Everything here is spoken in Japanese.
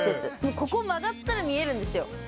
ここ曲がったら見えるんですよ。